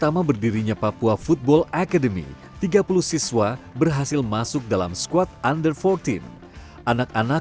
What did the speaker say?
anak anak yang berada di bawah tim ini